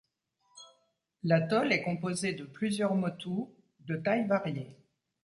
L’atoll est composé de plusieurs motus de tailles variées.